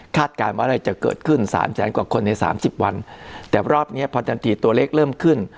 การว่าอะไรจะเกิดขึ้นสามแสนกว่าคนในสามสิบวันแต่รอบเนี้ยพอจันตีตัวเลขเริ่มขึ้น